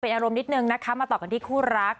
อารมณ์นิดนึงนะคะมาต่อกันที่คู่รัก